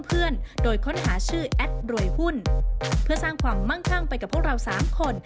เพื่อสร้างความมั่งข้างไปกับพวกเรา๓คน